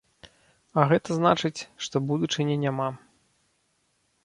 А гэта значыць, што будучыні няма.